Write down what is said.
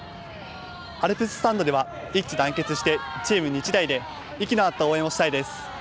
アルプススタンドでは一致団結して、チーム日大で息の合った応援をしたいです。